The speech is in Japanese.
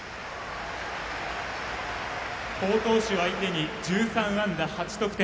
好投手を相手に１３安打８得点。